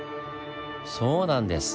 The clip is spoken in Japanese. そうなんです！